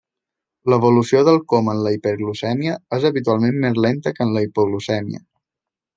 L'evolució del coma en la hiperglucèmia és habitualment més lenta que en la hipoglucèmia.